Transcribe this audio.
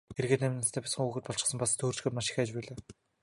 Эргээд найман настай бяцхан хүүхэд болчихсон, бас төөрчхөөд маш их айж байлаа.